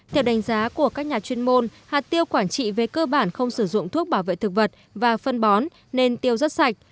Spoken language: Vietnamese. theo đánh giá của các nhà chuyên môn hạt tiêu quảng trị về cơ bản không sử dụng thuốc bảo vệ thực vật và phân bón nên tiêu rất sạch